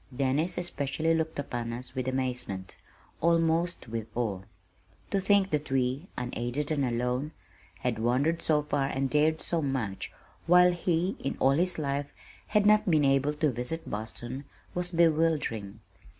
Dennis especially looked upon us with amazement, almost with awe. To think that we, unaided and alone, had wandered so far and dared so much, while he, in all his life, had not been able to visit Boston, was bewildering.